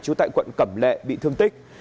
trú tại quận cẩm lệ bị thương tích